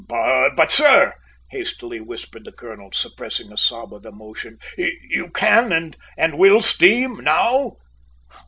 "But, sir," hastily whispered the colonel, suppressing a sob of emotion, "you can and will steam now?"